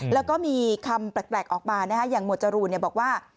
แล้วก็มีคำแปลกออกมาอย่างหมวดจรูนบอกว่า